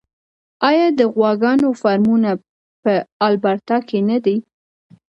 آیا د غواګانو فارمونه په البرټا کې نه دي؟